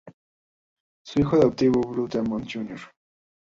Su hijo adoptivo Blue Demon Jr.